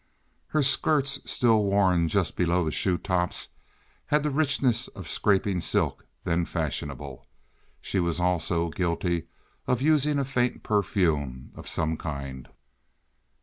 Her skirts, still worn just below the shoe tops, had the richness of scraping silk then fashionable. She was also guilty of using a faint perfume of some kind.